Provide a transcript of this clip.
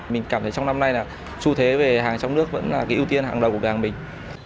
mình cảm thấy trong năm nay là xu thế về hàng trong nước vẫn là cái ưu tiên hàng đầu của hàng mình